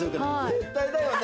絶対だよね！